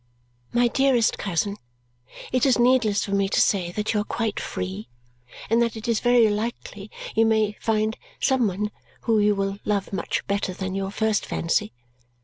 My dearest cousin, it is needless for me to say that you are quite free and that it is very likely you may find some one whom you will love much better than your first fancy.